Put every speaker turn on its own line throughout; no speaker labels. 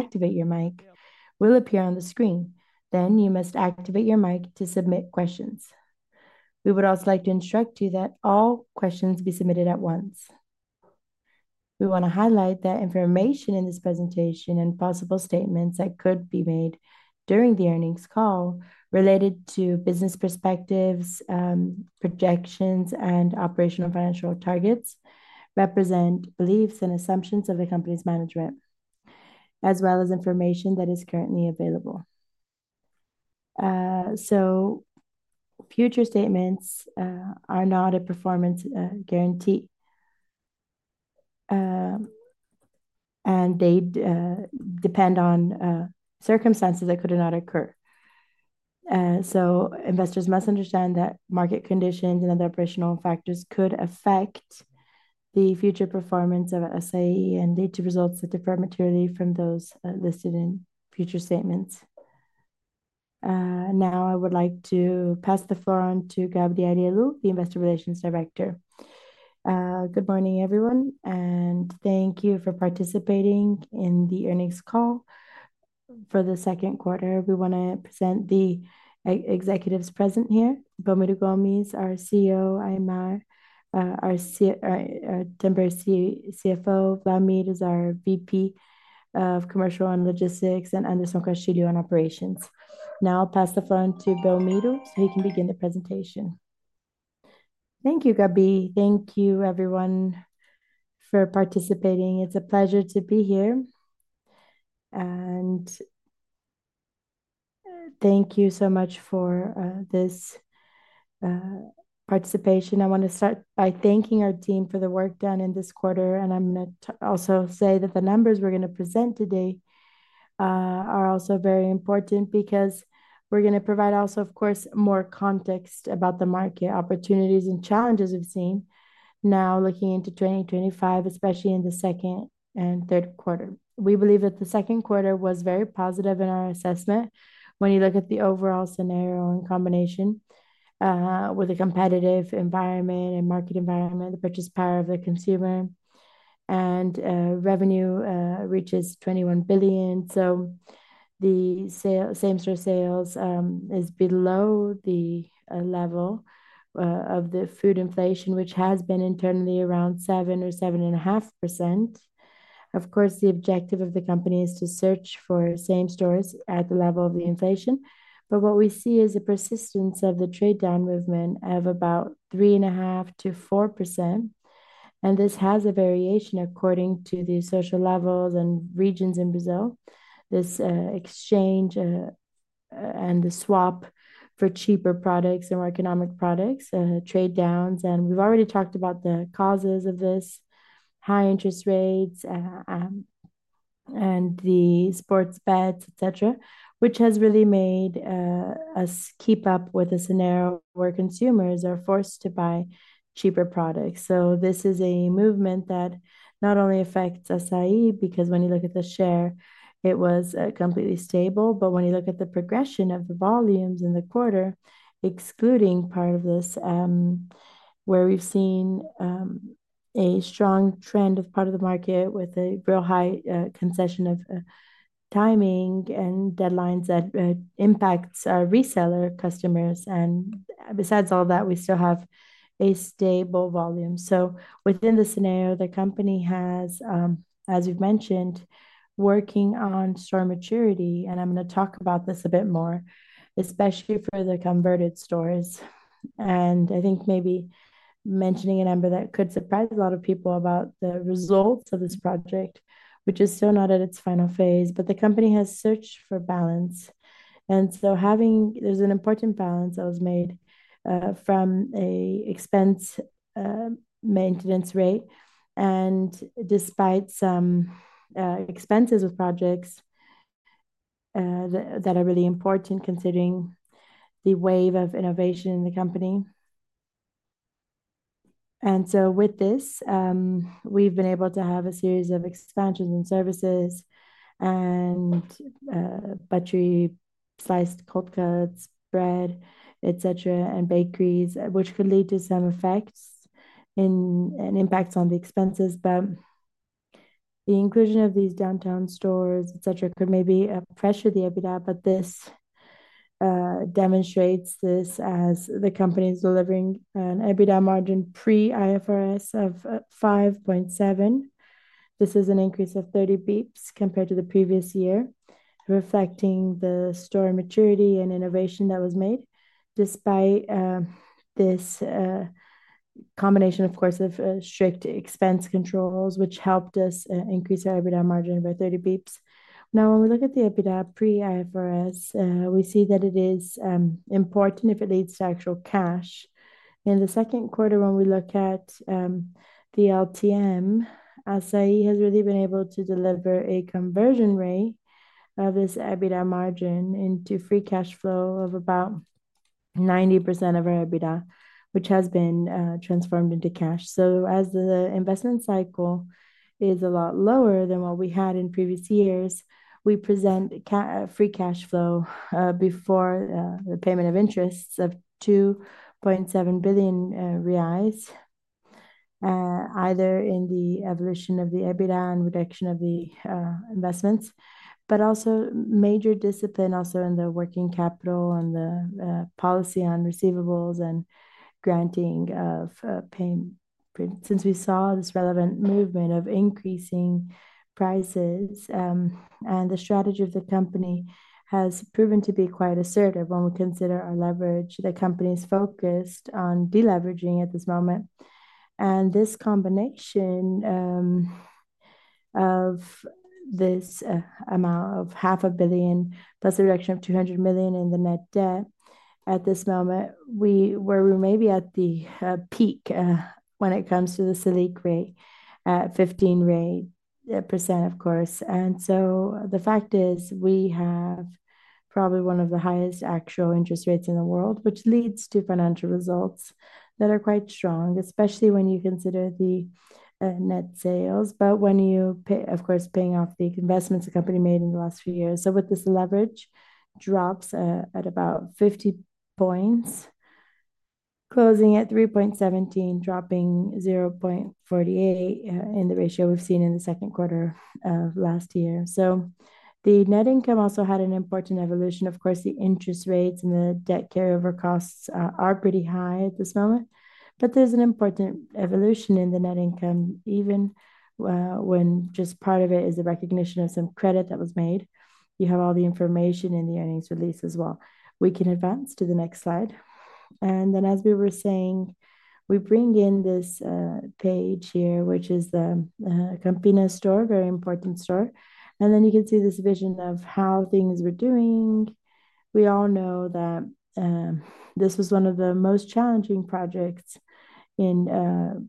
Activate your mic will appear on the screen. You must activate your mic to submit questions. We would also like to instruct you that all questions be submitted at once. We want to highlight that information in this presentation and possible statements that could be made during the earnings call related to business perspectives, projections, and operational financial targets represent beliefs and assumptions of the company's management, as well as information that is currently available. Future statements are not a performance guarantee, and they depend on circumstances that could or not occur. Investors must understand that market conditions and other operational factors could affect the future performance of Assaí, and they do result in deferred maturity from those listed in future statements. Now I would like to pass the floor on to Gabriela Helú, the Investor Relations Director.
Good morning, everyone, and thank you for participating in the earnings call for the second quarter. We want to present the executives present here. Belmiro de Gomes is our CEO, Aymar, our temporary CFO. Wlamir is our VP of Commercial and Logistics, and Castilho is in Operations. Now I'll pass the floor on to Belmiro so he can begin the presentation.
Thank you, Gabi. Thank you, everyone for participating. It's a pleasure to be here, and thank you so much for this participation. I want to start by thanking our team for the work done in this quarter, and I'm going to also say that the numbers we're going to present today are also very important because we're going to provide also, of course, more context about the market opportunities and challenges we've seen now looking into 2025, especially in the second and third quarter. We believe that the second quarter was very positive in our assessment when you look at the overall scenario in combination with the competitive environment and market environment, the purchase power of the consumer, and revenue reaches 21 billion. The same-store sales is below the level of the food inflation, which has been internally around 7% or 7.5%. The objective of the company is to search for same stores at the level of the inflation, but what we see is a persistence of the trade-down movement of about 3.5%-4%, and this has a variation according to the social levels and regions in Brazil. This exchange and the swap for cheaper products and more economic products, trade-downs, and we've already talked about the causes of this: high interest rates, and the sports bets, etc., which has really made us keep up with a scenario where consumers are forced to buy cheaper products. This is a movement that not only affects Assaí because when you look at the share, it was completely stable, but when you look at the progression of the volumes in the quarter, excluding part of this, where we've seen a strong trend of part of the market with a real high concession of timing and deadlines that impacts reseller customers. Besides all that, we still have a stable volume. Within the scenario, the company has, as we've mentioned, working on store maturity, and I'm going to talk about this a bit more, especially for the converted stores. I think maybe mentioning a number that could surprise a lot of people about the results of this project, which is still not at its final phase, but the company has searched for balance. There is an important balance that was made from an expense maintenance rate, and despite some expenses of projects that are really important considering the wave of innovation in the company. With this, we've been able to have a series of expansions in services and battery-sized cold cuts, bread, etc., and bakeries, which could lead to some effects and impacts on the expenses. The inclusion of these downtown stores, etc., could maybe pressure the EBITDA, but this demonstrates this as the company is delivering an EBITDA margin pre-IFRS of 5.7%. This is an increase of 30 bps compared to the previous year, reflecting the store maturity and innovation that was made despite this combination, of course, of strict expense controls, which helped us increase our EBITDA margin by 30 bps. Now, when we look at the EBITDA pre-IFRS, we see that it is important if it leads to actual cash. In the second quarter, when we look at the LTM, Assaí has really been able to deliver a conversion rate of this EBITDA margin into free cash flow of about 90% of our EBITDA, which has been transformed into cash. As the investment cycle is a lot lower than what we had in previous years, we present free cash flow before the payment of interest of 2.7 billion reais, either in the evolution of the EBITDA and reduction of the investments, but also major discipline also in the working capital and the policy on receivables and granting of payment since we saw this relevant movement of increasing prices. The strategy of the company has proven to be quite assertive when we consider our leverage. The company is focused on deleveraging at this moment. This combination of this amount of half a billion plus the reduction of 200 million in the net debt, at this moment, we were maybe at the peak when it comes to the Selic rate at 15%, of course. The fact is we have probably one of the highest actual interest rates in the world, which leads to financial results that are quite strong, especially when you consider the net sales. When you pay, of course, paying off the investments the company made in the last few years. With this, leverage drops at about 50 basis points, closing at 3.17, dropping 0.48 in the ratio we've seen in the second quarter of last year. The net income also had an important evolution. Of course, the interest rates and the debt carryover costs are pretty high at this moment, but there's an important evolution in the net income, even when just part of it is a recognition of some credit that was made. You have all the information in the earnings release as well. We can advance to the next slide. As we were saying, we bring in this page here, which is the Campinas store, a very important store. You can see this vision of how things were doing. We all know that this was one of the most challenging projects in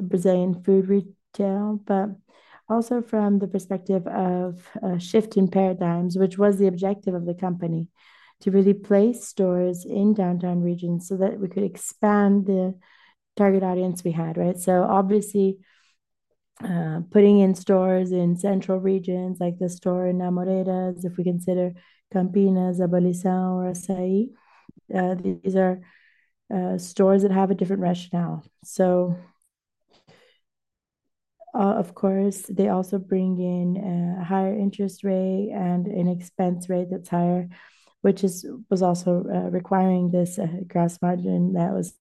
Brazilian food retail, but also from the perspective of shifting paradigms, which was the objective of the company, to really place stores in downtown regions so that we could expand the target audience we had, right? Obviously, putting in stores in central regions like the store in Amarante, if we consider Campinas, Abolição or SAE, these are stores that have a different rationale. They also bring in a higher interest rate and an expense rate that's higher, which was also requiring this gross margin that was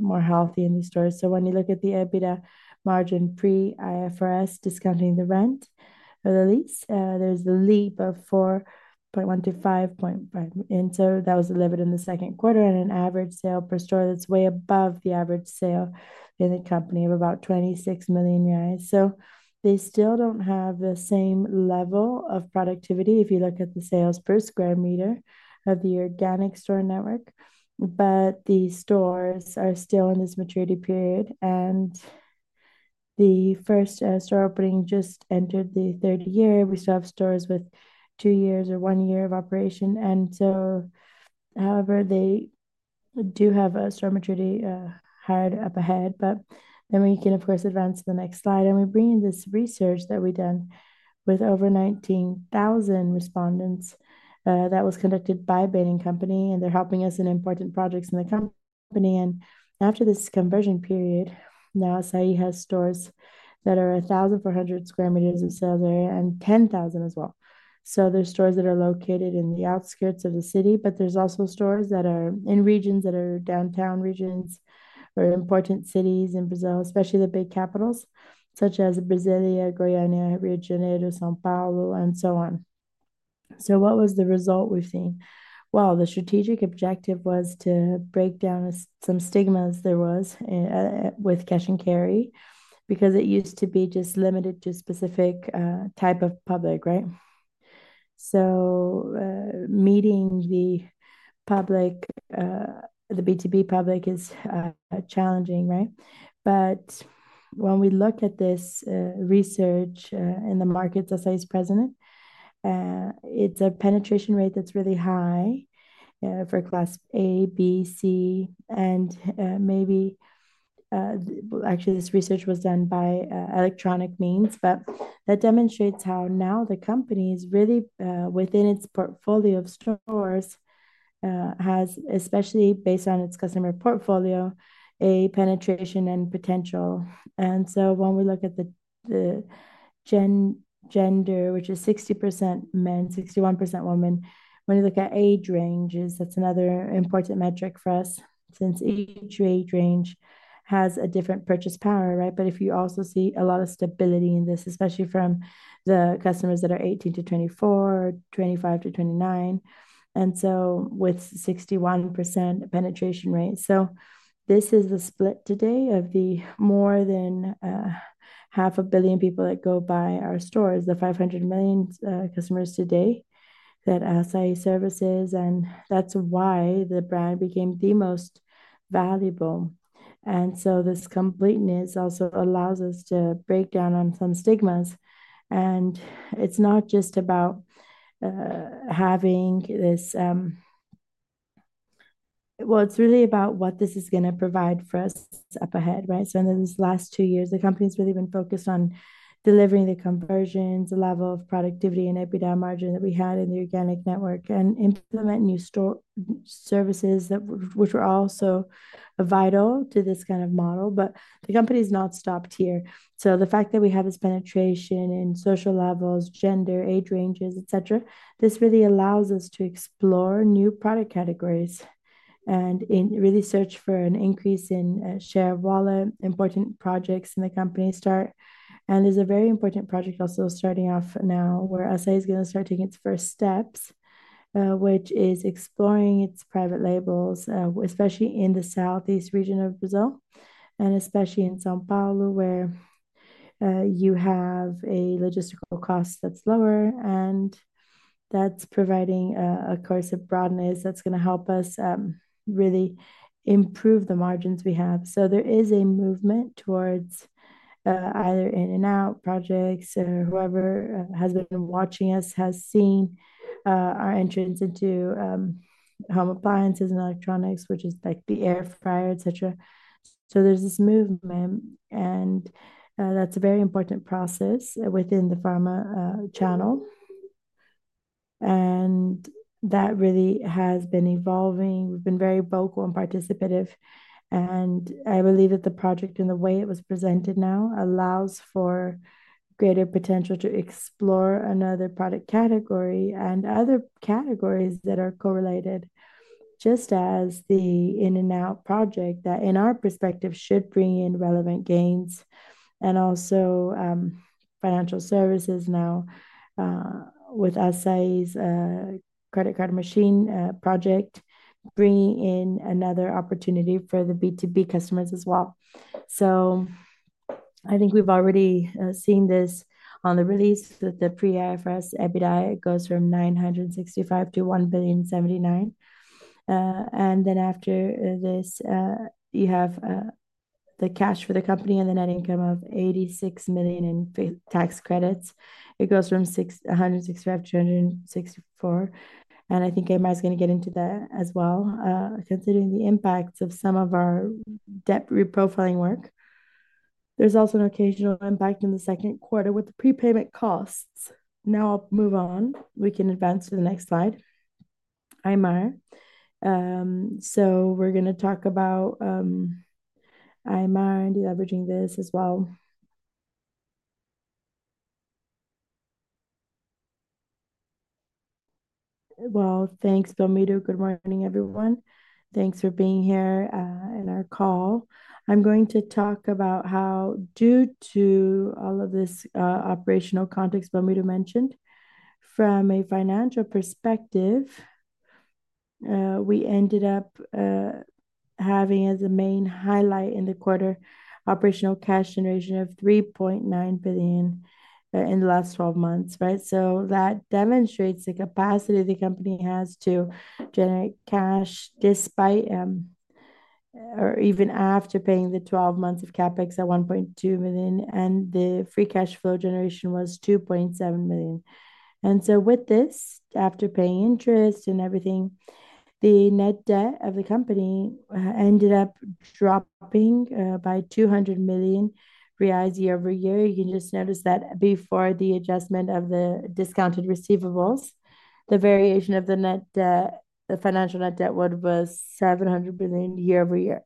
more healthy in these stores. When you look at the EBITDA margin pre-IFRS, discounting the rent for the lease, there's a leap of 4.1%-5.5%. That was delivered in the second quarter and an average sale per store that's way above the average sale in the company of about BRL 26 million. They still don't have the same level of productivity if you look at the sales per square meter of the organic store network, but the stores are still in this maturity period. The first store opening just entered the third year. We still have stores with two years or one year of operation. They do have a store maturity higher up ahead. We can, of course, advance to the next slide. We bring in this research that we've done with over 19,000 respondents that was conducted by a bidding company, and they're helping us in important projects in the company. After this conversion period, now Assaí has stores that are 1,400 square meters of sale there and 10,000 as well. There are stores that are located in the outskirts of the city, but there's also stores that are in regions that are downtown regions or important cities in Brazil, especially the big capitals, such as Brasília, Goiânia, Rio de Janeiro, São Paulo, and so on. What was the result we've seen? The strategic objective was to break down some stigmas there were with cash and carry because it used to be just limited to a specific type of public, right? Meeting the B2B public is challenging, right? When we look at this research in the markets, as I was present, it's a penetration rate that's really high for class A, B, C, and maybe actually, this research was done by electronic means, but that demonstrates how now the company is really, within its portfolio of stores, has, especially based on its customer portfolio, a penetration and potential. When we look at the gender, which is 60% men, 61% women, when you look at age ranges, that's another important metric for us since each age range has a different purchase power, right? You also see a lot of stability in this, especially from the customers that are 18-24, 25-29, and with 61% penetration rate. This is the split today of the more than half a billion people that go buy our stores, the 500 million customers today that Assaí services, and that's why the brand became the most valuable. This completeness also allows us to break down on some stigmas. It's not just about having this, it's really about what this is going to provide for us up ahead, right? In these last two years, the company has really been focused on delivering the conversions, the level of productivity, and EBITDA margin that we had in the organic network, and implement new store services that were also vital to this kind of model. The company has not stopped here. The fact that we have this penetration in social levels, gender, age ranges, etc., really allows us to explore new product categories and really search for an increase in share of wallet, important projects in the company start. There's a very important project also starting off now where Assaí is going to start taking its first steps, which is exploring its private label products, especially in the southeast region of Brazil, and especially in São Paulo, where you have a logistical cost that's lower, and that's providing, of course, a broadness that's going to help us really improve the margins we have. There is a movement towards either in and out projects, or whoever has been watching us has seen our entrance into home appliances and electronics, which is like the air fryer, etc. There's this movement, and that's a very important process within the pharma channel. That really has been evolving. We've been very vocal and participative. I believe that the project, in the way it was presented now, allows for greater potential to explore another product category and other categories that are correlated, just as the in-and-out project that, in our perspective, should bring in relevant gains. Also, financial services now with Assaí's credit card machine project bringing in another opportunity for the B2B customers as well. I think we've already seen this on the release that the pre-IFRS EBITDA goes from 965 million-1.079 billion. After this, you have the cash for the company and the net income of 86 million in tax credits. It goes from 165 million-264 million. I think Aymar is going to get into that as well, considering the impacts of some of our debt reprofiling work. There's also an occasional impact in the second quarter with the prepayment costs. Now I'll move on. We can advance to the next slide. Aymar. We're going to talk about IMR and deleveraging this as well.
Thanks, Belmiro. Good morning, everyone. Thanks for being here in our call. I'm going to talk about how, due to all of this operational context Belmiro mentioned, from a financial perspective, we ended up having as a main highlight in the quarter operational cash generation of 3.9 billion in the last 12 months, right? That demonstrates the capacity the company has to generate cash despite or even after paying the 12 months of CapEx at 1.2 billion, and the free cash flow generation was 2.7 billion. With this, after paying interest and everything, the net debt of the company ended up dropping by 200 million reais year over year. You can just notice that before the adjustment of the discounted receivables, the variation of the net debt, the financial net debt was 700 million year over year.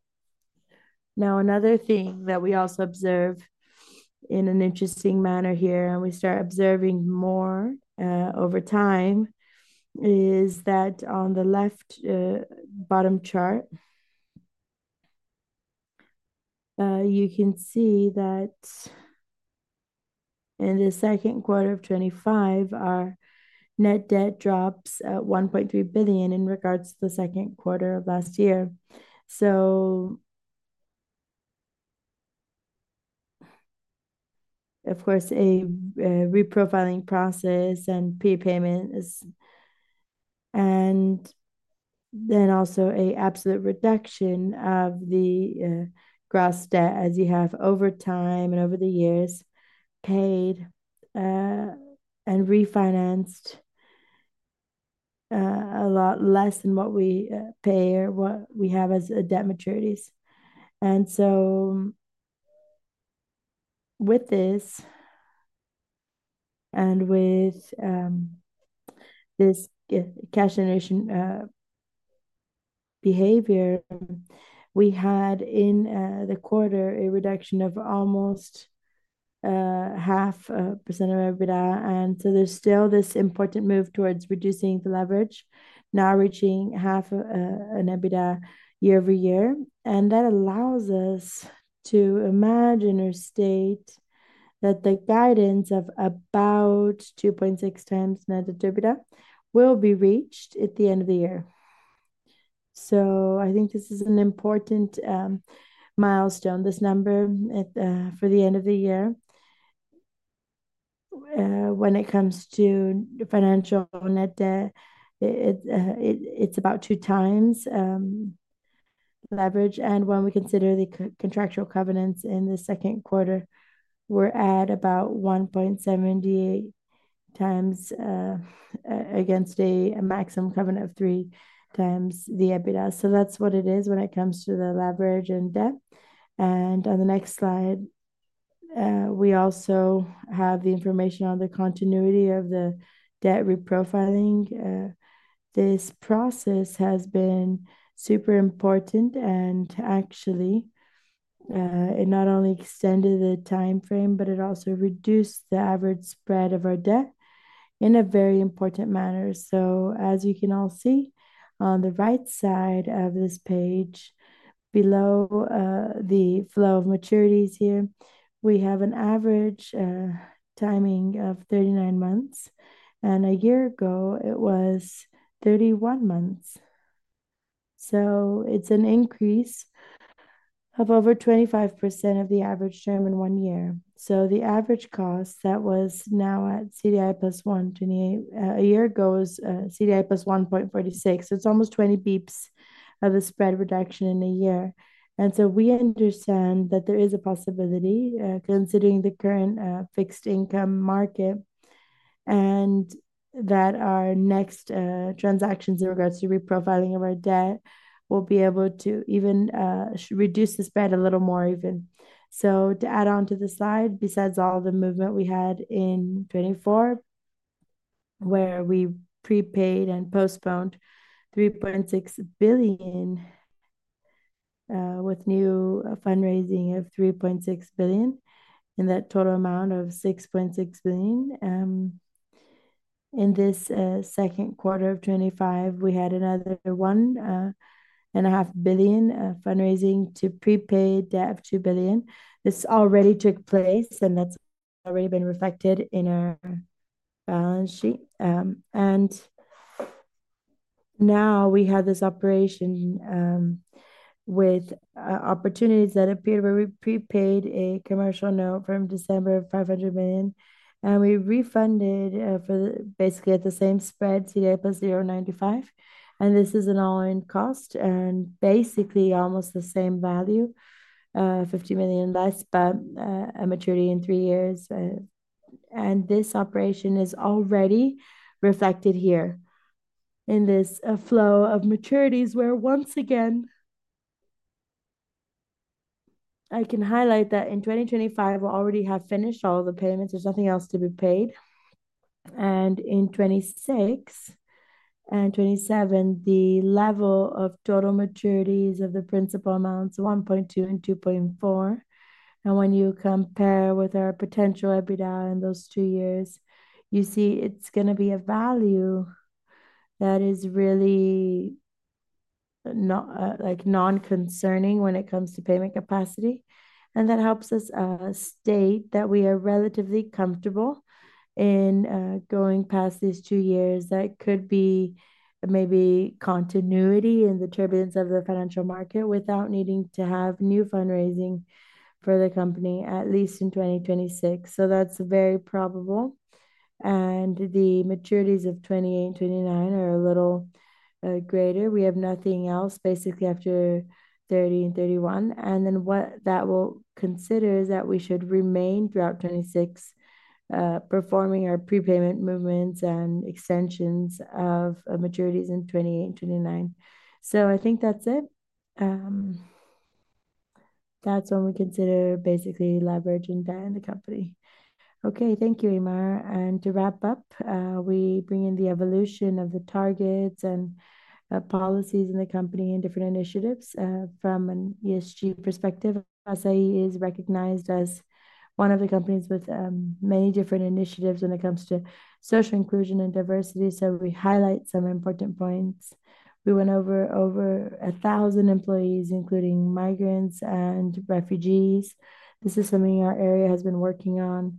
Another thing that we also observe in an interesting manner here, and we start observing more over time, is that on the left bottom chart, you can see that in the second quarter of 2025, our net debt drops at 1.3 billion in regards to the second quarter of last year. Of course, a reprofiling process and prepayment is, and then also an absolute reduction of the gross debt, as you have over time and over the years paid and refinanced a lot less than what we pay or what we have as debt maturities. With this and with this cash generation behavior, we had in the quarter a reduction of almost 0.5% of EBITDA. There is still this important move towards reducing the leverage, now reaching half an EBITDA year over year. That allows us to imagine or state that the guidance of about 2.6x net EBITDA will be reached at the end of the year. I think this is an important milestone, this number for the end of the year. When it comes to financial net debt, it's about two times leverage. When we consider the contractual covenants in the second quarter, we're at about 1.78x against a maximum covenant of three times the EBITDA. That's what it is when it comes to the leverage and debt. On the next slide, we also have the information on the continuity of the debt reprofiling. This process has been super important, and actually, it not only extended the timeframe, but it also reduced the average spread of our debt in a very important manner. As you can all see on the right side of this page, below the flow of maturities here, we have an average timing of 39 months. A year ago, it was 31 months. It's an increase of over 25% of the average term in one year. The average cost that was now at CDI plus 1.28 a year ago was CDI plus 1.46. It's almost 20 basis points of the spread reduction in a year. We understand that there is a possibility, considering the current fixed income market, and that our next transactions in regards to reprofiling of our debt will be able to even reduce the spread a little more. To add on to the slide, besides all the movement we had in 2024, where we prepaid and postponed 3.6 billion with new fundraising of 3.6 billion, and that total amount of 6.6 billion. In this second quarter of 2025, we had another 1.5 billion fundraising to prepay debt of 2 billion. This already took place, and that's already been reflected in our balance sheet. Now we have this operation with opportunities that appear where we prepaid a commercial note from December of 500 million, and we refunded for basically at the same spread, CDI plus 0.95. This is an all-in cost and basically almost the same value, 50 million less, but a maturity in three years. This operation is already reflected here in this flow of maturities where, once again, I can highlight that in 2025, we'll already have finished all of the payments. There's nothing else to be paid. In 2026 and 2027, the level of total maturities of the principal amounts 1.2 billion and 2.4 billion. When you compare with our potential EBITDA in those two years, you see it's going to be a value that is really non-concerning when it comes to payment capacity. That helps us state that we are relatively comfortable in going past these two years. That could be maybe continuity in the turbulence of the financial market without needing to have new fundraising for the company, at least in 2026. That's very probable. The maturities of 2028 and 2029 are a little greater. We have nothing else, basically, after 2030 and 2031. What that will consider is that we should remain throughout 2026 performing our prepayment movements and extensions of maturities in 2028 and 2029. I think that's it. That's when we consider basically leveraging debt in the company.
Okay. Thank you, Aymar. To wrap up, we bring in the evolution of the targets and policies in the company and different initiatives from an ESG perspective. Assaí is recognized as one of the companies with many different initiatives when it comes to social inclusion and diversity. We highlight some important points. We went over 1,000 employees, including migrants and refugees. This is something our area has been working on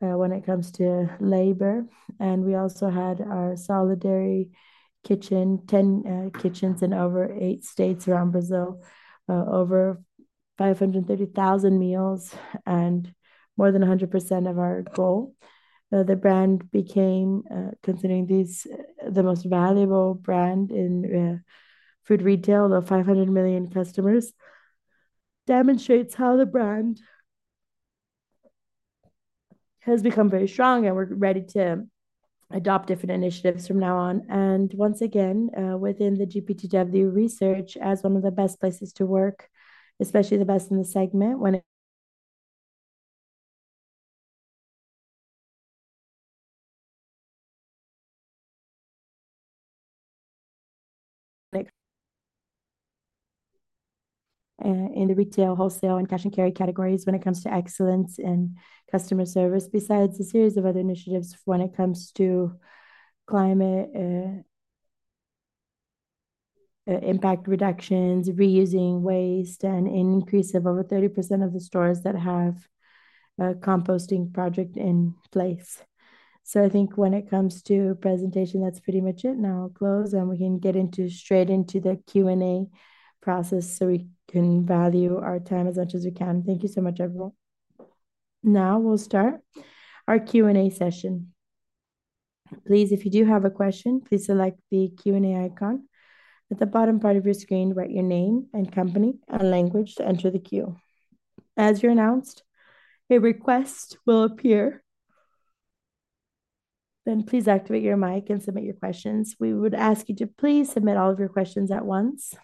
when it comes to labor. We also had our solidary kitchen, 10 kitchens in over eight states around Brazil, over 530,000 meals, and more than 100% of our goal. The brand became, considering this, the most valuable brand in food retail, though 500 million customers demonstrate how the brand has become very strong, and we're ready to adopt different initiatives from now on. Once again, within the GPTW research as one of the best places to work, especially the best in the segment in the retail, wholesale, and cash and carry categories when it comes to excellence in customer service, besides a series of other initiatives when it comes to climate impact reductions, reusing waste, and an increase of over 30% of the stores that have a composting project in place. I think when it comes to presentation, that's pretty much it. Now I'll close, and we can get straight into the Q&A process so we can value our time as much as we can. Thank you so much, everyone.
Now we'll start our Q&A session. Please, if you do have a question, select the Q&A icon at the bottom part of your screen, write your name and company and language to enter the queue. As you're announced, a request will appear. Please activate your mic and submit your questions. We would ask you to please submit all of your questions at once.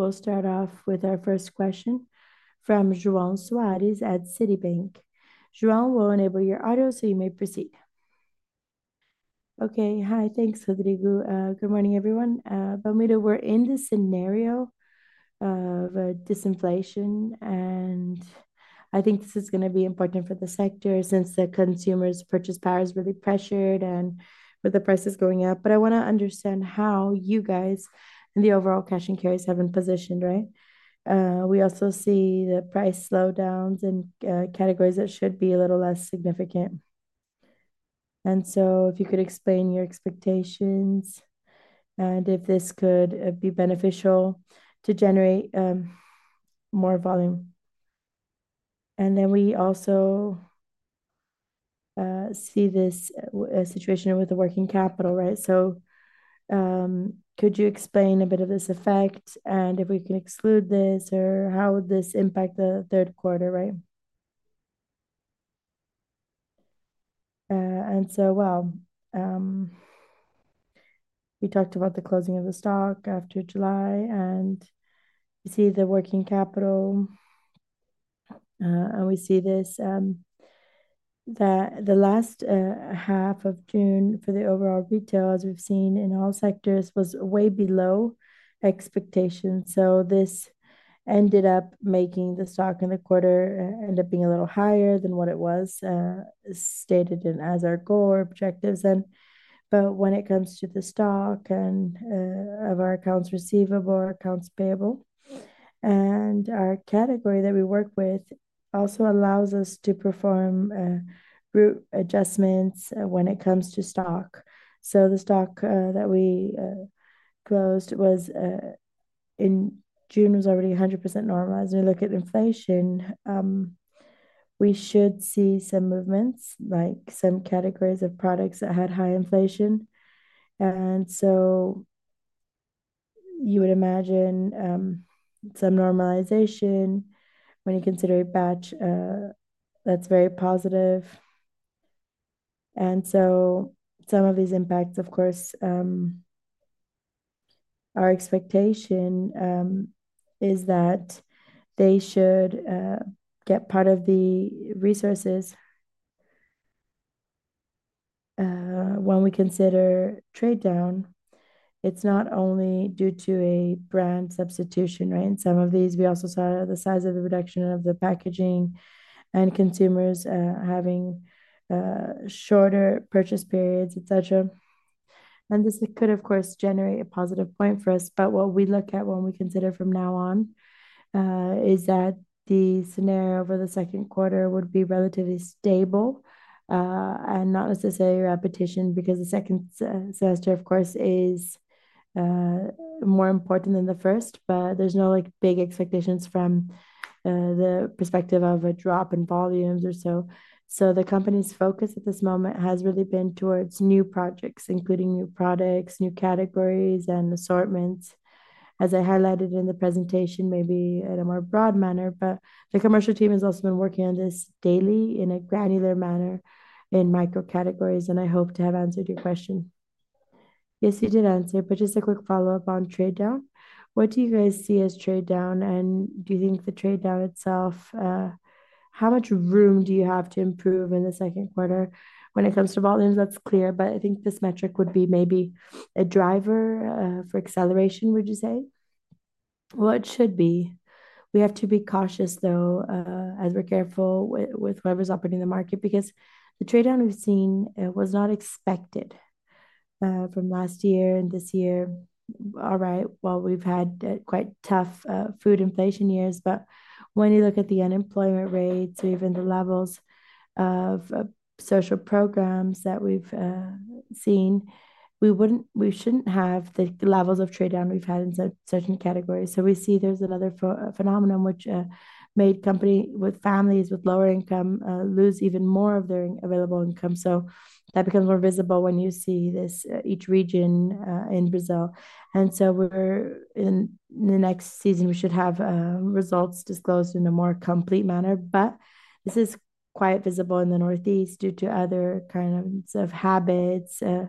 We'll start off with our first question from João Soares at Citibank. João, we'll enable your audio so you may proceed.
Okay. Hi. Thanks, Rodrigo. Good morning, everyone. Belmiro, we're in the scenario of disinflation, and I think this is going to be important for the sector since the consumer's purchase power is really pressured and with the prices going up. I want to understand how you guys and the overall cash and carries have been positioned, right? We also see the price slowdowns in categories that should be a little less significant. If you could explain your expectations and if this could be beneficial to generate more volume. We also see this situation with the working capital, right? Could you explain a bit of this effect? If we can exclude this, or how would this impact the third quarter, right?
We talked about the closing of the stock after July, and we see the working capital, and we see this that the last half of June for the overall retail, as we've seen in all sectors, was way below expectations. This ended up making the stock in the quarter end up being a little higher than what it was stated in as our goal or objectives. When it comes to the stock and of our accounts receivable or accounts payable, our category that we work with also allows us to perform route adjustments when it comes to stock. The stock that we closed in June was already 100% normal. As we look at inflation, we should see some movements, like some categories of products that had high inflation. You would imagine some normalization when you consider a batch that's very positive. Some of these impacts, of course, our expectation is that they should get part of the resources. When we consider trade-down, it's not only due to a brand substitution, right? In some of these, we also saw the size of the reduction of the packaging and consumers having shorter purchase periods, etc. This could, of course, generate a positive point for us. What we look at when we consider from now on is that the scenario for the second quarter would be relatively stable and not necessarily a repetition because the second semester, of course, is more important than the first. There's no big expectations from the perspective of a drop in volumes or so. The company's focus at this moment has really been towards new projects, including new products, new categories, and assortments, as I highlighted in the presentation, maybe in a more broad manner. The commercial team has also been working on this daily in a granular manner in micro categories, and I hope to have answered your question.
Yes, you did answer, but just a quick follow-up on trade-down. What do you guys see as trade-down, and do you think the trade-down itself, how much room do you have to improve in the second quarter? When it comes to volumes, that's clear, but I think this metric would be maybe a driver for acceleration, would you say?
It should be. We have to be cautious, though, as we're careful with whoever's operating the market because the trade-down we've seen was not expected from last year and this year. We've had quite tough food inflation years, but when you look at the unemployment rates or even the levels of social programs that we've seen, we shouldn't have the levels of trade-down we've had in such a category. We see there's another phenomenon which made companies with families with lower income lose even more of their available income. That becomes more visible when you see this, each region in Brazil. In the next season, we should have results disclosed in a more complete manner. This is quite visible in the Northeast due to other kinds of habits and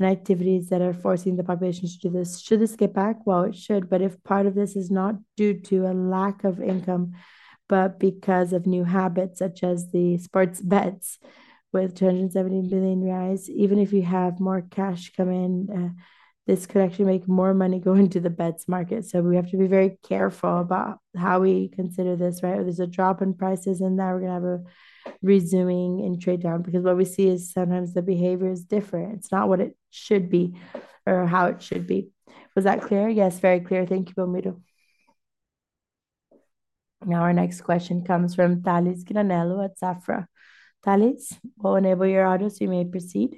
activities that are forcing the population to do this. Should this get back? It should, but if part of this is not due to a lack of income, but because of new habits such as the sports bets with 270 million reais, even if you have more cash come in, this could actually make more money going to the bets market. We have to be very careful about how we consider this, right? If there's a drop in prices in that, we're going to have a resuming in trade-down because what we see is sometimes the behavior is different. It's not what it should be or how it should be. Was that clear?
Yes, very clear. Thank you, Belmiro.
Now our next question comes from Tales Granello at Safra. Tales, we'll enable your audio so you may proceed.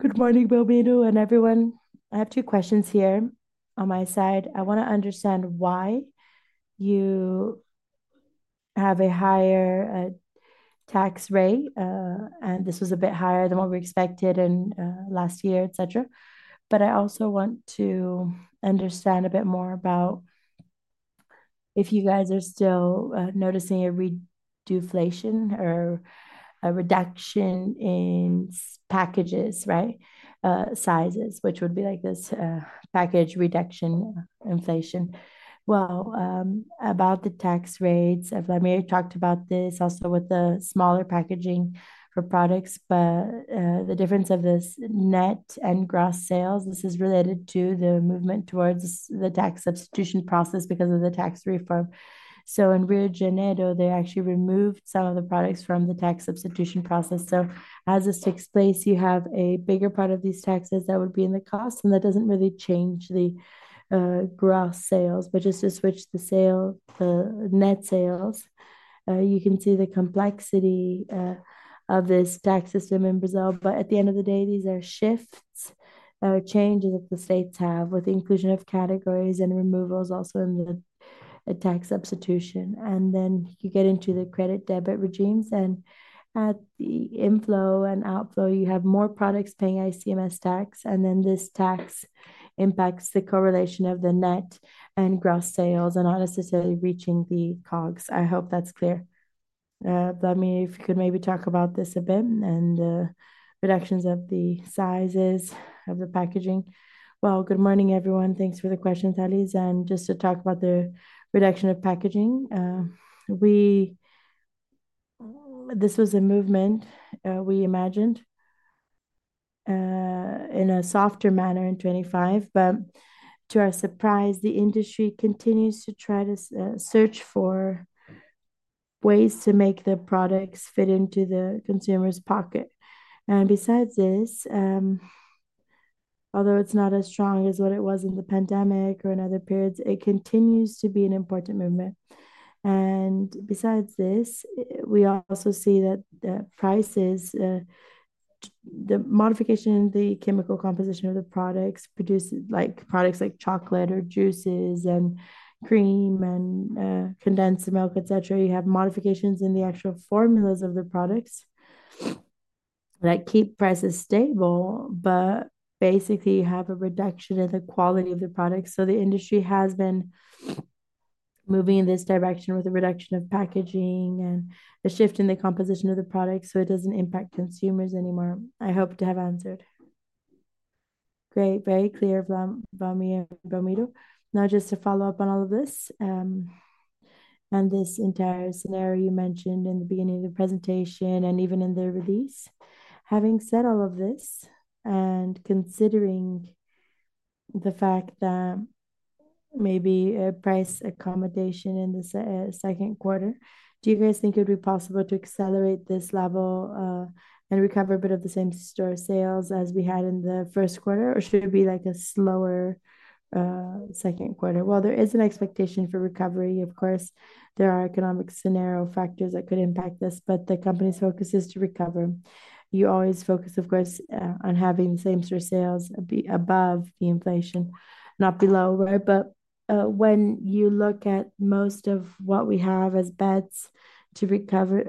Good morning, Belmiro and everyone. I have two questions here on my side. I want to understand why you have a higher tax rate, and this was a bit higher than what we expected in last year, etc. I also want to understand a bit more about if you guys are still noticing a reduciflation or a reduction in packages, right? Sizes, which would be like this package reduction inflation.
About the tax rates, if I may talk about this also with the smaller packaging for products, the difference of this net and gross sales is related to the movement towards the tax substitution process because of the tax reform. In Rio de Janeiro, they actually removed some of the products from the tax substitution process. As this takes place, you have a bigger part of these taxes that would be in the cost, and that doesn't really change the gross sales. Just to switch the sale to net sales, you can see the complexity of this tax system in Brazil. At the end of the day, these are shifts, changes that the states have with the inclusion of categories and removals also in the tax substitution. Then you get into the credit-debt regimes. At the inflow and outflow, you have more products paying ICMS tax, and then this tax impacts the correlation of the net and gross sales and not necessarily reaching the COGS. I hope that's clear.
Belmiro, if you could maybe talk about this a bit and the reductions of the sizes of the packaging.
Good morning, everyone. Thanks for the question, Tales. Just to talk about the reduction of packaging, this was a movement we imagined in a softer manner in 2025. To our surprise, the industry continues to try to search for ways to make the products fit into the consumer's pocket. Besides this, although it's not as strong as what it was in the pandemic or in other periods, it continues to be an important movement. Besides this, we also see that the prices, the modification in the chemical composition of the products, like products like chocolate or juices and cream and condensed milk, etc., you have modifications in the actual formulas of the products that keep prices stable, but basically have a reduction in the quality of the products. The industry has been moving in this direction with the reduction of packaging and a shift in the composition of the products so it doesn't impact consumers anymore. I hope to have answered.
Great. Very clear, Belmiro and Belmiro. Now, just to follow up on all of this and this entire scenario you mentioned in the beginning of the presentation and even in the release, having said all of this and considering the fact that maybe a price accommodation in the second quarter, do you guys think it would be possible to accelerate this level and recover a bit of the same store sales as we had in the first quarter, or should it be like a slower second quarter?
There is an expectation for recovery. Of course, there are economic scenario factors that could impact this, but the company's focus is to recover. You always focus, of course, on having the same store sales be above the inflation, not below, right? When you look at most of what we have as bets to recover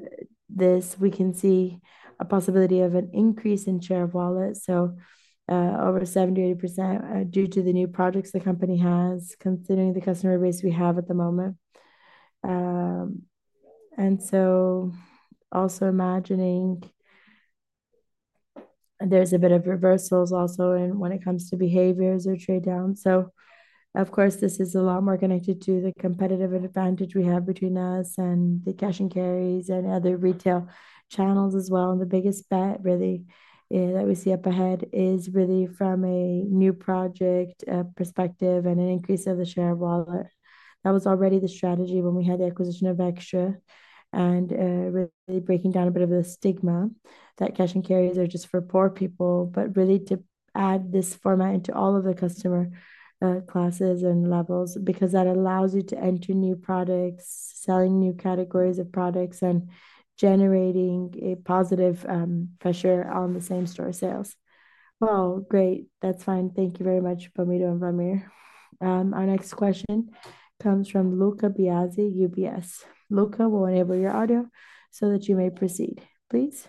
this, we can see a possibility of an increase in share of wallet. Over 70%-80% due to the new projects the company has, considering the customer base we have at the moment. Also imagining there's a bit of reversals when it comes to behaviors or trade-downs. This is a lot more connected to the competitive advantage we have between us and the cash and carries and other retail channels as well. The biggest bet that we see up ahead is from a new project perspective and an increase of the share of wallet. That was already the strategy when we had the acquisition of Extra and breaking down a bit of the stigma that cash and carries are just for poor people, but to add this format into all of the customer classes and levels because that allows you to enter new products, selling new categories of products, and generating a positive pressure on the same store sales.
Great. That's fine. Thank you very much, Belmiro and Wlamir.
Our next question comes from Lucca Biasi, UBS. Lucca, we'll enable your audio so that you may proceed. Please.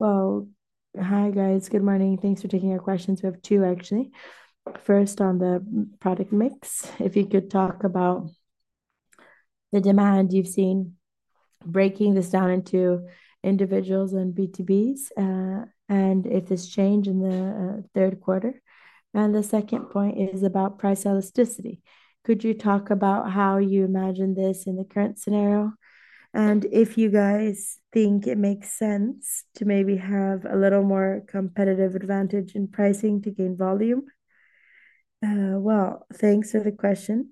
Hi, guys. Good morning. Thanks for taking our questions. We have two, actually. First, on the product mix, if you could talk about the demand you've seen breaking this down into individuals and B2Bs and if this changed in the third quarter. The second point is about price elasticity. Could you talk about how you imagine this in the current scenario and if you guys think it makes sense to maybe have a little more competitive advantage in pricing to gain volume? Thanks for the question.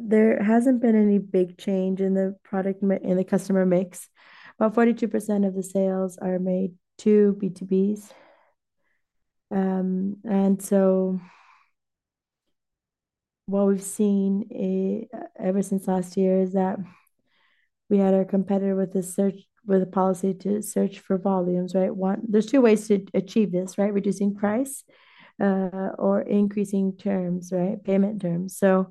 There hasn't been any big change in the product in the customer mix. About 42% of the sales are made to B2Bs. What we've seen ever since last year is that we had our competitor with a policy to search for volumes, right? There are two ways to achieve this, right? Reducing price or increasing terms, right? Payment terms. It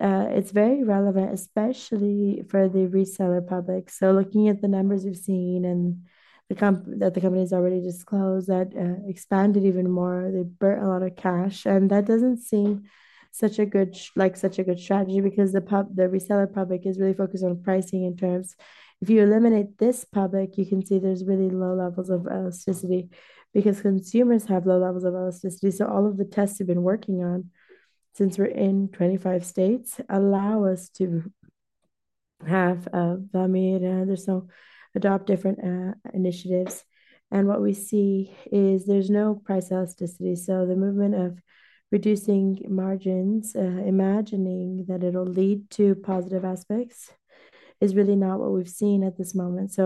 is very relevant, especially for the reseller public. Looking at the numbers you've seen and the company has already disclosed that expanded even more, they burnt a lot of cash. That doesn't seem like such a good strategy because the reseller public is really focused on pricing and terms. If you eliminate this public, you can see there are really low levels of elasticity because consumers have low levels of elasticity. All of the tests we've been working on since we're in 25 states allow us to have Belmiro and Anderson adopt different initiatives. What we see is there's no price elasticity. The movement of reducing margins, imagining that it'll lead to positive aspects, is really not what we've seen at this moment.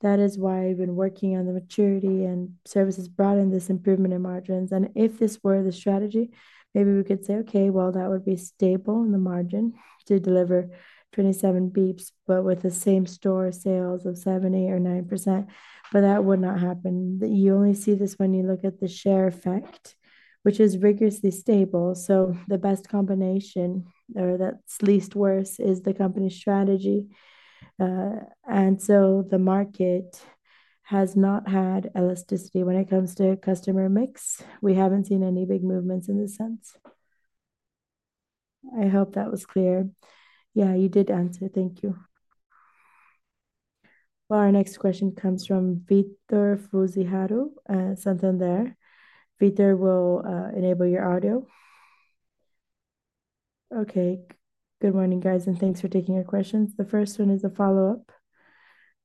That is why we've been working on the maturity and services brought in this improvement in margins. If this were the strategy, maybe we could say, "Okay, that would be stable in the margin to deliver 27 basis points, but with the same store sales of 7%, 8%, or 9%." That would not happen. You only see this when you look at the share effect, which is rigorously stable. The best combination, or that's least worse, is the company's strategy. The market has not had elasticity when it comes to customer mix. We haven't seen any big movements in this sense. I hope that was clear. You did answer. Thank you.
Our next question comes from Vitor Fuziharo. Vitor, we'll enable your audio.
Good morning, guys, and thanks for taking your questions. The first one is a follow-up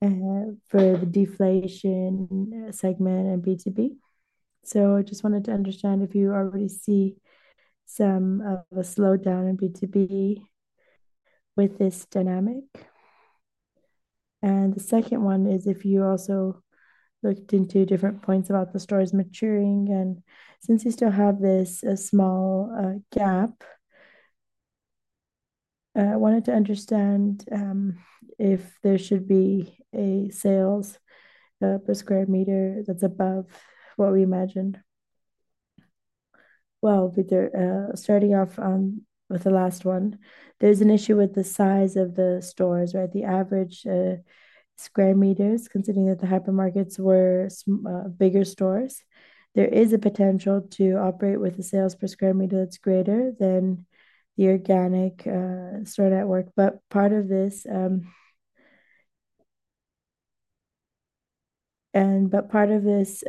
for the deflation segment and B2B. I just wanted to understand if you already see some of the slowdown in B2B with this dynamic. The second one is if you also looked into different points about the stores maturing. Since you still have this small gap, I wanted to understand if there should be a sales per square meter that's above what we imagined.
Vitor, starting off with the last one, there's an issue with the size of the stores, right? The average square meters, considering that the hypermarkets were bigger stores, there is a potential to operate with a sales per square meter that's greater than the organic store network. Part of this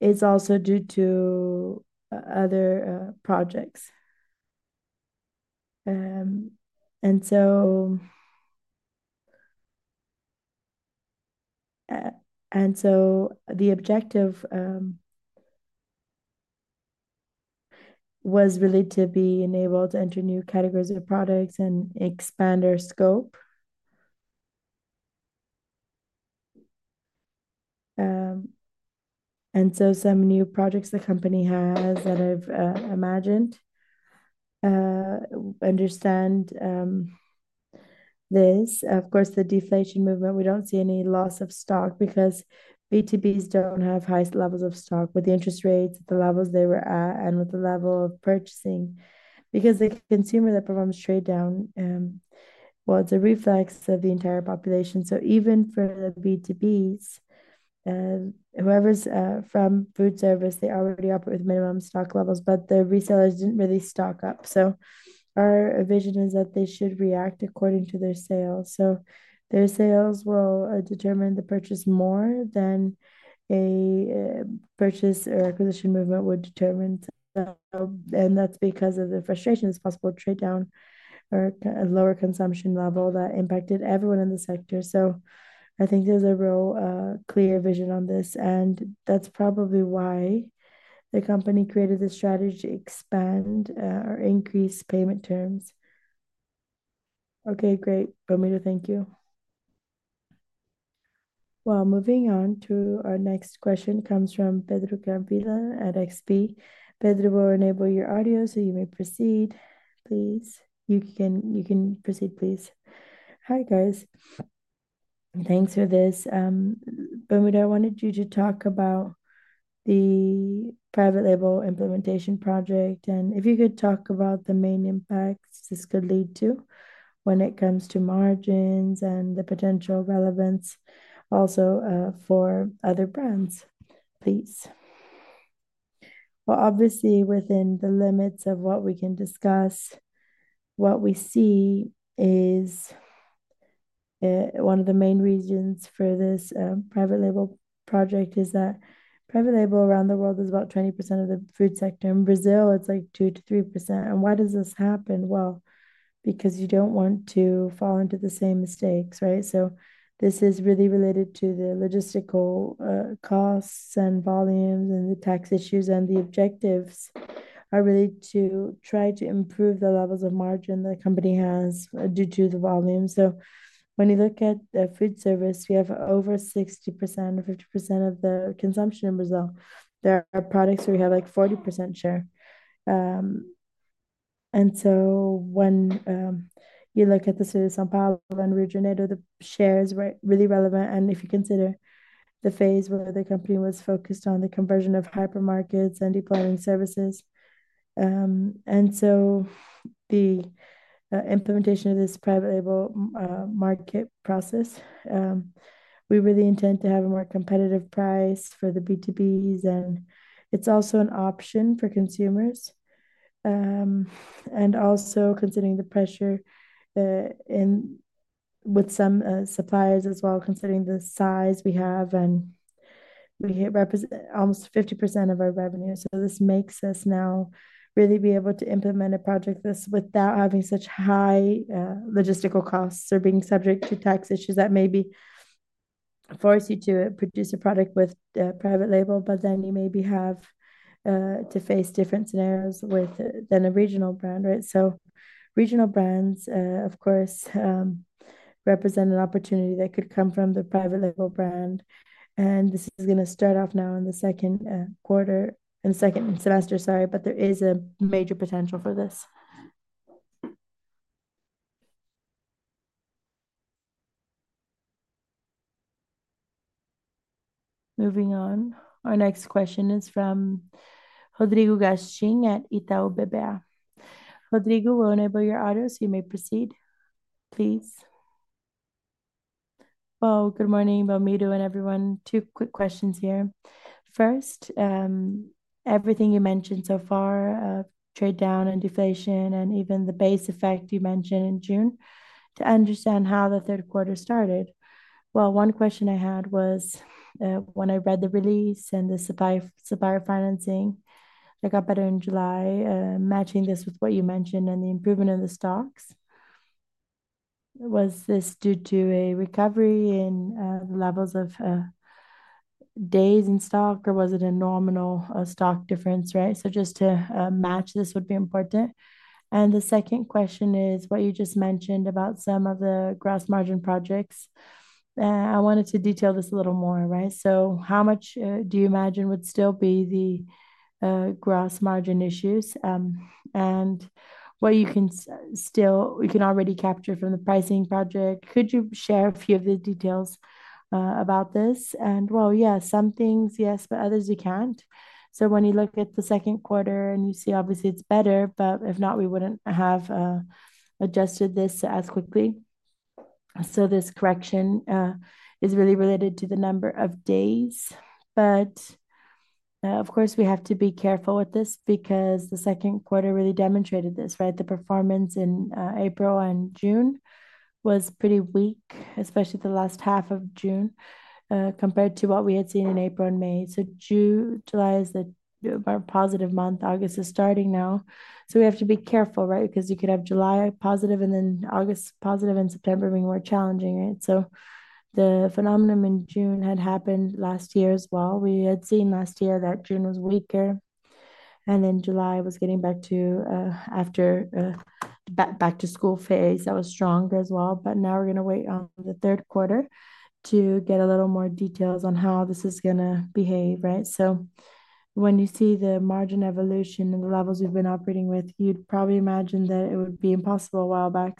is also due to other projects. The objective was really to be enabled to enter new categories of products and expand our scope. Some new projects the company has, I've imagined, understand this. Of course, the deflation movement, we don't see any loss of stock because B2Bs don't have highest levels of stock with the interest rates, the levels they were at, and with the level of purchasing because the consumer that performs trade-down, it's a reflex of the entire population. Even for the B2Bs, whoever's from food service, they already operate with minimum stock levels, but the resellers didn't really stock up. Our vision is that they should react according to their sales. Their sales will determine the purchase more than a purchase or acquisition movement would determine. That's because of the frustrations. It's possible to trade down or a lower consumption level that impacted everyone in the sector. I think there's a real clear vision on this, and that's probably why the company created this strategy to expand or increase payment terms.
Great. Belmiro, thank you.
Moving on to our next question from Pedro Granadillo XP. Pedro, we'll enable your audio so you may proceed, please. You can proceed, please.
Hi, guys. Thanks for this. Belmiro, I wanted you to talk about the private label implementation project, and if you could talk about the main impacts this could lead to when it comes to margins and the potential relevance also for other brands, please.
Obviously, within the limits of what we can discuss, what we see is one of the main reasons for this private label project is that private label around the world is about 20% of the food sector. In Brazil, it's like 2%-3%. Why does this happen? You don't want to fall into the same mistakes, right? This is really related to the logistical costs and volumes and the tax issues, and the objectives are really to try to improve the levels of margin the company has due to the volume. When you look at the food service, we have over 60% or 50% of the consumption in Brazil. There are products where we have like 40% share. When you look at the city of São Paulo and Rio de Janeiro, the share is really relevant. If you consider the phase where the company was focused on the conversion of hypermarkets and deploying services, and the implementation of this private label market process, we really intend to have a more competitive price for the B2Bs, and it's also an option for consumers. Also, considering the pressure with some suppliers as well, considering the size we have, and we hit almost 50% of our revenue. This makes us now really be able to implement a project without having such high logistical costs or being subject to tax issues that maybe force you to produce a product with private label, but then you maybe have to face different scenarios than a regional brand, right? Regional brands, of course, represent an opportunity that could come from the private label brand. This is going to start off now in the second quarter, in the second semester, sorry, but there is a major potential for this.
Moving on, our next question is from Rodrigo Gastim at Itaú BBA. Rodrigo, we'll enable your audio so you may proceed, please.
Good morning, Belmiro and everyone. Two quick questions here. First, everything you mentioned so far, trade-down and deflation and even the base effect you mentioned in June to understand how the third quarter started. One question I had was when I read the release and the supplier financing that got better in July, matching this with what you mentioned and the improvement in the stocks. Was this due to a recovery in the levels of days in stock, or was it a nominal stock difference, right? To match, this would be important. The second question is what you just mentioned about some of the gross margin projects. I wanted to detail this a little more, right? How much do you imagine would still be the gross margin issues? What you can still, you can already capture from the pricing project. Could you share a few of the details about this?
Some things, yes, but others you can't. When you look at the second quarter and you see, obviously, it's better, if not, we wouldn't have adjusted this as quickly. This correction is really related to the number of days. Of course, we have to be careful with this because the second quarter really demonstrated this, right? The performance in April and June was pretty weak, especially the last half of June compared to what we had seen in April and May. July, our positive month, August is starting now. We have to be careful, right? Because you could have July positive and then August positive and September being more challenging, right? The phenomenon in June had happened last year as well. We had seen last year that June was weaker, and then July was getting back to back-to-school phase. That was stronger as well. We are going to wait on the third quarter to get a little more details on how this is going to behave, right? When you see the margin evolution and the levels we've been operating with, you'd probably imagine that it would be impossible a while back.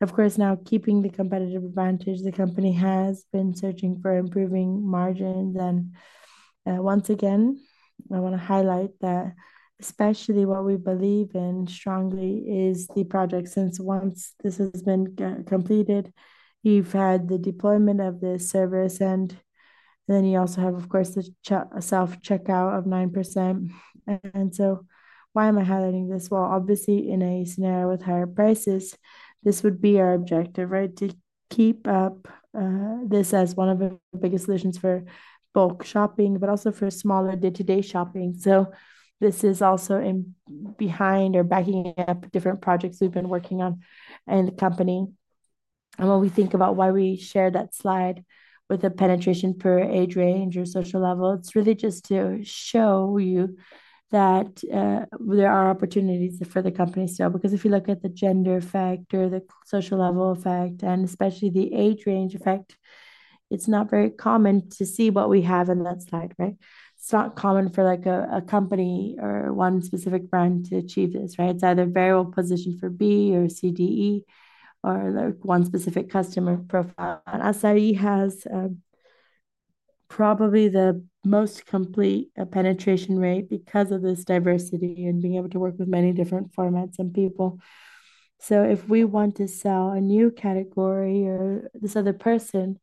Of course, now keeping the competitive advantage, the company has been searching for improving margins. Once again, I want to highlight that especially what we believe in strongly is the project. Since once this has been completed, you've had the deployment of this service, and then you also have, of course, the self-checkout of 9%. Why am I highlighting this? Obviously, in a scenario with higher prices, this would be our objective, right? To keep up this as one of the biggest solutions for bulk shopping, but also for smaller day-to-day shopping. This is also behind or backing up different projects we've been working on in the company. When we think about why we share that slide with the penetration per age range or social level, it's really just to show you that there are opportunities for the company still. If you look at the gender factor, the social level effect, and especially the age range effect, it's not very common to see what we have in that slide, right? It's not common for a company or one specific brand to achieve this, right? It's either very well positioned for B or CDE or one specific customer profile. Assaí has probably the most complete penetration rate because of this diversity and being able to work with many different formats and people. If we want to sell a new category or this other person,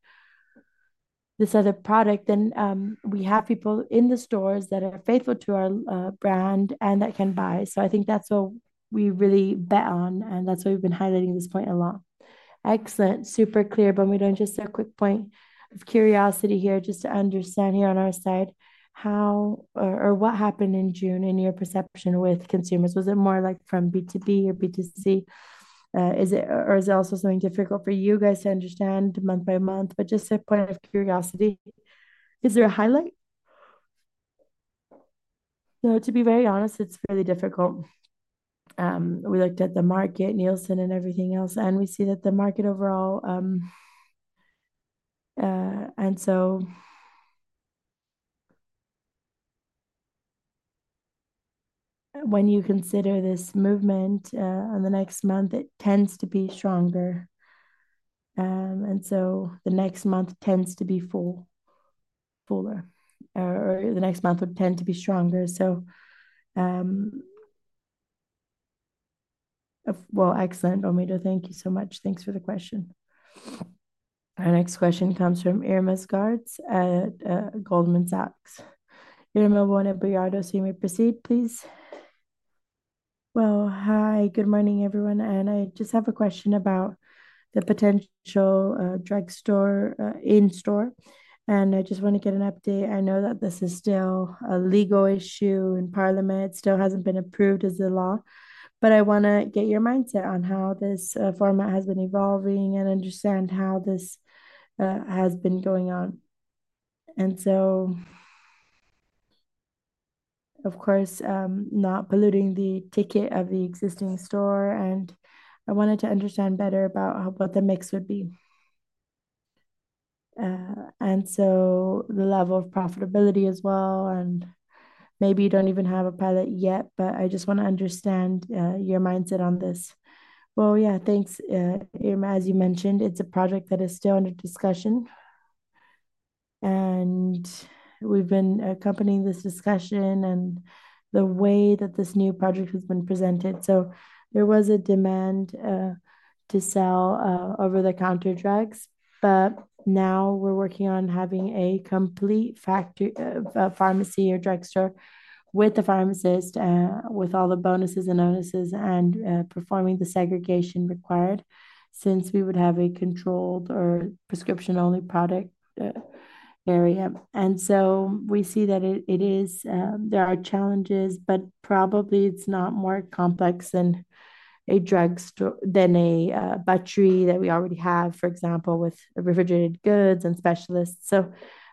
this other product, then we have people in the stores that are faithful to our brand and that can buy. I think that's what we really bet on, and that's why we've been highlighting this point a lot.
Excellent. Super clear. I have a quick point of curiosity here just to understand here on our side how or what happened in June in your perception with consumers. Was it more like from B2B or B2C? Or is it also something difficult for you guys to understand month by month? Just a point of curiosity. Is there a highlight?
No, to be very honest, it's really difficult. We looked at the market, Nielsen and everything else, and we see that the market overall, and when you consider this movement in the next month, it tends to be stronger. The next month tends to be fuller, or the next month would tend to be stronger.
Excellent. Belmiro, thank you so much.
Thanks for the question.
Our next question comes from Irma Sgarz at Goldman Sachs. Irma, your mic is on, you may proceed, please.
Hi. Good morning, everyone. I just have a question about the potential drugstore in-store. I just want to get an update. I know that this is still a legal issue in Parliament. It still hasn't been approved as a law. I want to get your mindset on how this format has been evolving and understand how this has been going on. Of course, not polluting the ticket of the existing store. I wanted to understand better about what the mix would be, the level of profitability as well. Maybe you don't even have a pilot yet, but I just want to understand your mindset on this. Yeah, thanks, Irma. As you mentioned, it's a project that is still under discussion. We've been accompanying this discussion and the way that this new project has been presented. There was a demand to sell over-the-counter drugs, but now we're working on having a complete pharmacy or drugstore with the pharmacist and with all the bonuses and performing the segregation required since we would have a controlled or prescription-only product area. We see that there are challenges, but probably it's not more complex than a butchery that we already have, for example, with refrigerated goods and specialists.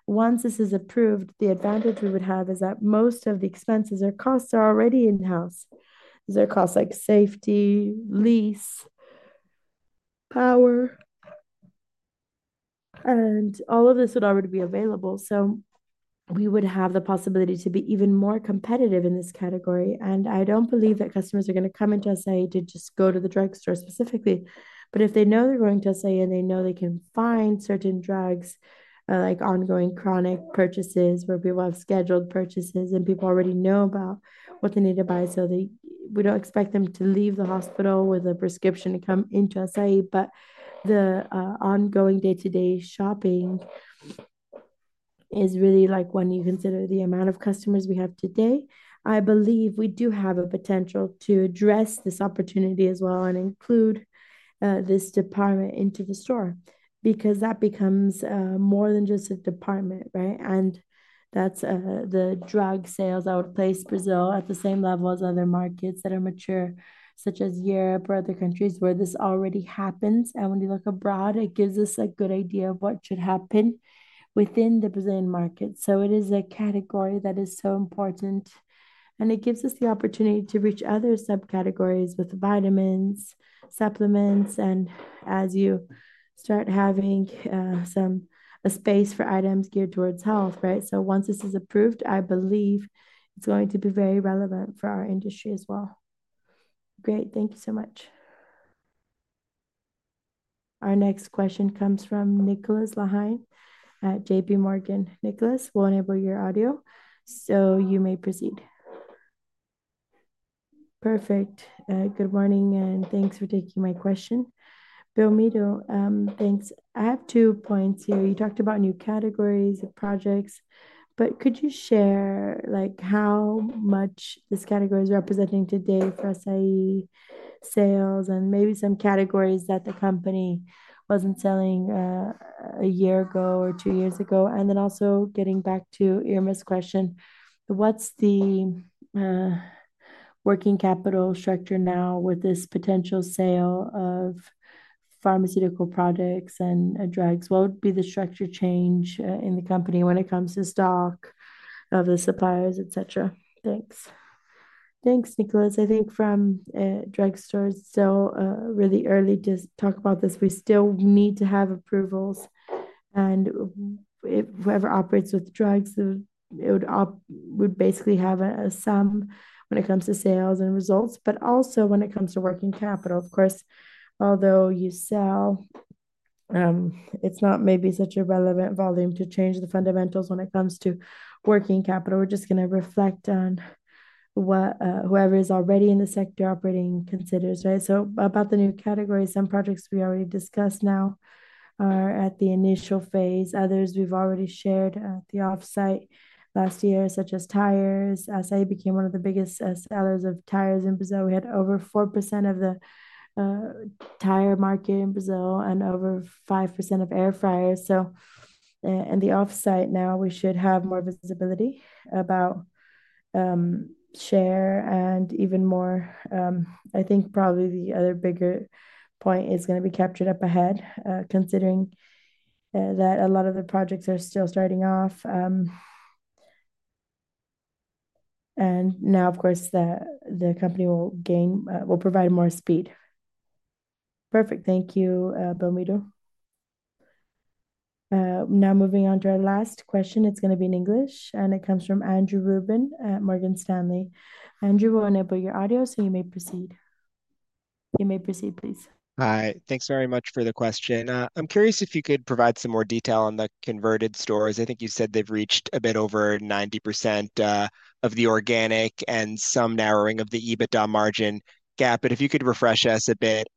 Once this is approved, the advantage we would have is that most of the expenses or costs are already in-house. These are costs like safety, lease, power, and all of this would already be available. We would have the possibility to be even more competitive in this category. I don't believe that customers are going to come into Assaí to just go to the drugstore specifically. If they know they're going to Assaí and they know they can find certain drugs, like ongoing chronic purchases where people have scheduled purchases and people already know about what they need to buy, we don't expect them to leave the hospital with a prescription to come into Assaí. The ongoing day-to-day shopping is really like when you consider the amount of customers we have today. I believe we do have a potential to address this opportunity as well and include this department into the store because that becomes more than just a department, right? That is the drug sales that would place Brazil at the same level as other markets that are mature, such as Europe or other countries where this already happens. When you look abroad, it gives us a good idea of what should happen within the Brazilian market. It is a category that is so important. It gives us the opportunity to reach other subcategories with vitamins, supplements, and as you start having some space for items geared towards health, right? Once this is approved, I believe it's going to be very relevant for our industry as well. Great. Thank you so much.
Our next question comes from Nicolás Larrain at JPMorgan. Nicolás, we'll enable your audio so you may proceed. Perfect.
Good morning, and thanks for taking my question. Belmiro, thanks. I have two points here. You talked about new categories of projects, but could you share how much this category is representing today for Assaí sales and maybe some categories that the company wasn't selling a year ago or two years ago? Also, getting back to Irma's question, what's the working capital structure now with this potential sale of pharmaceutical products and drugs? What would be the structure change in the company when it comes to stock of the suppliers, etc.?
Thanks. Thanks, Nicolás. I think from drugstores, it's really early to talk about this. We still need to have approvals, and whoever operates with drugs would basically have a sum when it comes to sales and results. Also, when it comes to working capital, of course, although you sell, it's not maybe such a relevant volume to change the fundamentals when it comes to working capital. We're just going to reflect on what whoever is already in the sector operating considers, right? About the new categories, some projects we already discussed now are at the initial phase. Others we've already shared at the offsite last year, such as tires. Assaí Atacadista became one of the biggest sellers of tires in Brazil. We had over 4% of the tire market in Brazil and over 5% of air fryers. In the offsite now, we should have more visibility about share and even more. I think probably the other bigger point is going to be captured up ahead, considering that a lot of the projects are still starting off. Of course, the company will provide more speed.
Perfect. Thank you, Belmiro.
Now moving on to our last question. It's going to be in English, and it comes from Andrew Ruben at Morgan Stanley. Andrew, we'll enable your audio so you may proceed. You may proceed, please.
Hi. Thanks very much for the question. I'm curious if you could provide some more detail on the converted stores. I think you said they've reached a bit over 90% of the organic and some narrowing of the EBITDA margin gap. If you could refresh us a bit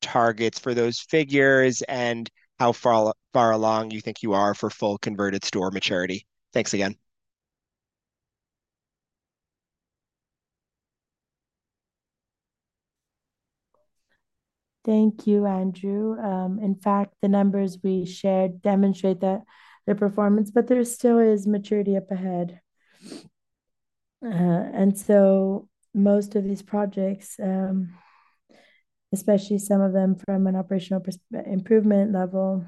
on the targets for those figures and how far along you think you are for full converted store maturity. Thanks again.
Thank you, Andrew. In fact, the numbers we shared demonstrate their performance, but there still is maturity up ahead. Most of these projects, especially some of them from an operational improvement level,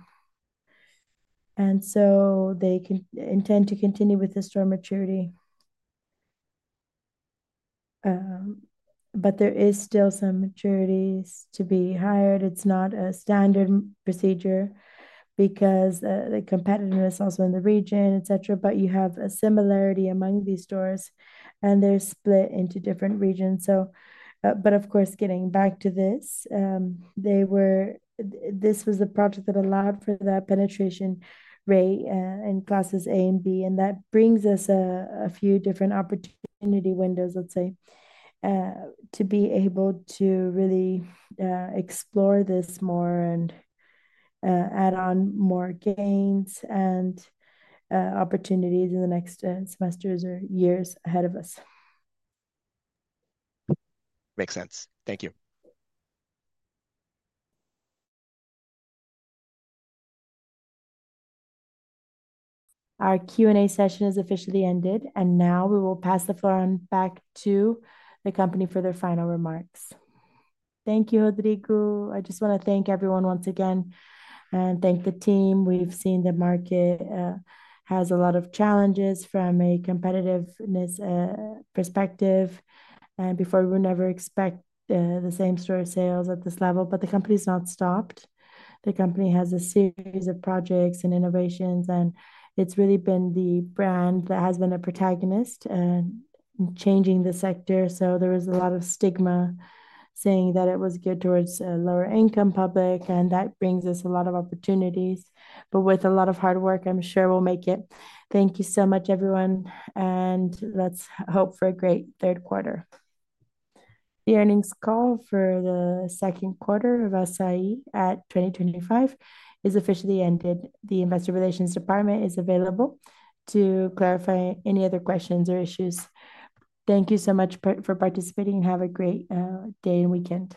intend to continue with the store maturity. There is still some maturity to be hired. It's not a standard procedure because the competitiveness also in the region, etc., but you have a similarity among these stores, and they're split into different regions. Of course, getting back to this, this was the project that allowed for that penetration rate in classes A and B. That brings us a few different opportunity windows, let's say, to be able to really explore this more and add on more gains and opportunities in the next semesters or years ahead of us.
Makes sense. Thank you.
Our Q&A session has officially ended, and now we will pass the floor back to the company for their final remarks.
Thank you, Rodrigo. I just want to thank everyone once again and thank the team. We've seen the market has a lot of challenges from a competitiveness perspective. Previously, we would never expect the same store sales at this level, but the company's not stopped. The company has a series of projects and innovations, and it's really been the brand that has been a protagonist in changing the sector. There was a lot of stigma saying that it was geared towards a lower-income public, and that brings us a lot of opportunities. With a lot of hard work, I'm sure we'll make it. Thank you so much, everyone, and let's hope for a great third quarter.
The earnings call for the second quarter of Sendas Distribuidora S.A. at 2025 is officially ended. The Investor Relations department is available to clarify any other questions or issues. Thank you so much for participating. Have a great day and weekend.